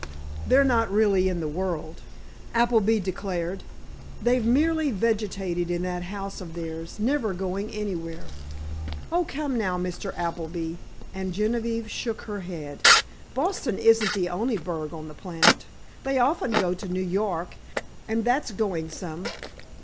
"They're not really in the world," Appleby declared. "They've merely vegetated in that house of theirs, never going anywhere——" "Oh, come now, Mr. Appleby," and Genevieve shook her head, "Boston isn't the only burg on the planet! They often go to New York, and that's going some!"